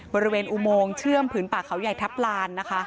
บริเวณอุโมงเชื่อมผืนป่าเขาใหญ่ทัพลานนะคะ